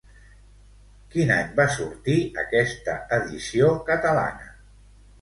Quin any va sortir aquesta edició catalana?